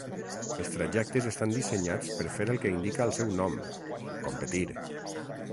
Els trajectes estan dissenyats per fer el que indica el seu nom: competir.